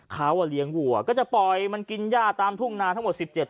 เขาเลี้ยงวัวก็จะปล่อยมันกินย่าตามทุ่งนาทั้งหมด๑๗